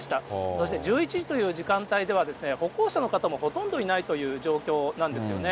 そして１１時という時間帯では、歩行者の方もほとんどいないという状況なんですよね。